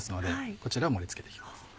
こちらを盛り付けて行きます。